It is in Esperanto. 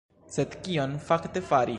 Sed kion fakte fari?